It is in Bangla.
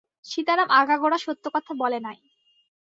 সীতারাম আগাগােড়া সত্য কথা বলে নাই।